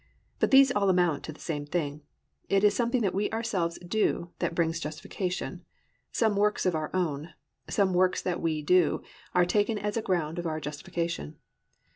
But these all amount to the same thing: it is something that we ourselves do that brings justification, some works of our own, some works that we do, are taken as the ground of our justification.